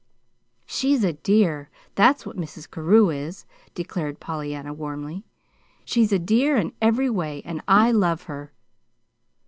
"She's a dear that's what Mrs. Carew is," declared Pollyanna, warmly. "She's a dear in every way, and I love her."